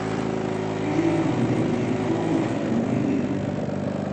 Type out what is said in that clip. Ɓíl inɔn ɓí ɗi twóó miku mɛ ile.